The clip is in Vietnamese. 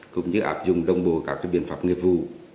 cũng như áp dụng đồng bộ các biện pháp nghiệp vụ